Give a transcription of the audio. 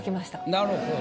なるほど。